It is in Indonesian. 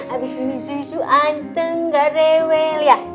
abis ini susu anteng gak rewel ya